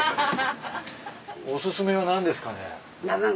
お薦めは何ですかね？